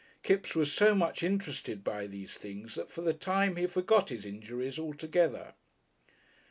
Kipps was so much interested by these things that for the time he forgot his injuries altogether.